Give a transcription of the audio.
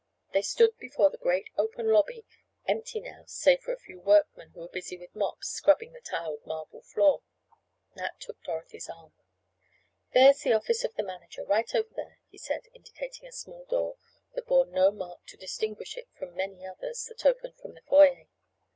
They stood before the great open lobby, empty now save for a few workmen who were busy with mops scrubbing the tiled marble floor. Nat took Dorothy's arm. "There's the office of the manager, right over there," he said, indicating a small door that bore no mark to distinguish it from many others that opened from the foyer.